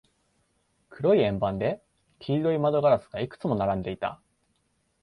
黒い円盤で、黄色い窓ガラスがいくつも並んでいた。